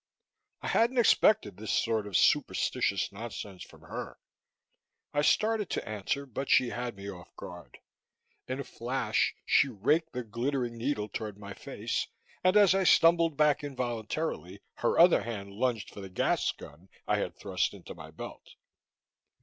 I hadn't expected this sort of superstitious nonsense from her. I started to answer, but she had me off guard. In a flash, she raked the glittering needle toward my face and, as I stumbled back involuntarily, her other hand lunged for the gas gun I had thrust into my belt.